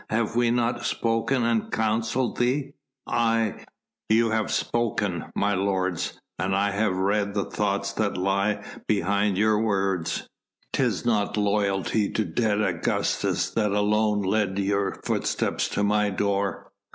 Have we not spoken and counselled thee?" "Aye! you have spoken, my lords, and I have read the thoughts that lie behind your words. 'Tis not loyalty to dead Augustus that alone led your footsteps to my door."